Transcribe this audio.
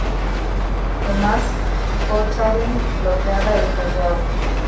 Thomas Cochrane bloqueaba el Callao.